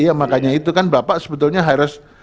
ya makanya itu kan bapak sebetulnya harus